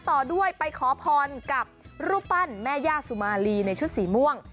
ต่อด้วยไปขอพรกับรูปปั้นแม่ย่าสุมาลีในชุดสีม่วง